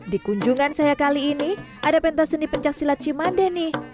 di kunjungan saya kali ini ada pentas seni pencaksilat cimande nih